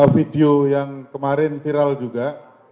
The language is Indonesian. video yang kemarin viral juga